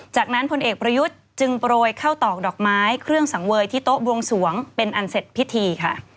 จากนั้นพลเอกประยุทธ์จึงโปรยเข้าตอกดอกไม้เครื่องสังเวยที่โต๊ะบวงสวงเป็นอันเสร็จพิธีค่ะ